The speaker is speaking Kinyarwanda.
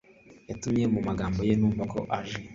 yatumye mumagambo ye numva ko aje